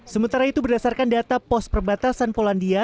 sementara itu berdasarkan data pos perbatasan polandia